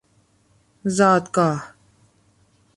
زادگاه